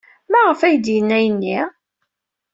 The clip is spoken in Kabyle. Maɣef ay d-yenna ayenni?